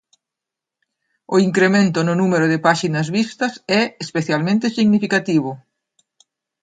O incremento no número de páxinas vistas é especialmente significativo.